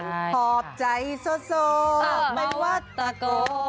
ขอบใจโซโซไม่ว่าตะโก